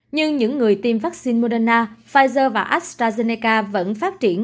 nhưng những người tiêm vaccine moderna pfizer và astrazeneca vẫn phát triển